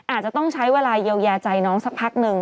อาจจะต้องใช้เวลาเยียวยาใจน้องสักพักหนึ่ง